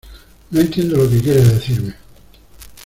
no entiendo lo que quieres decirme.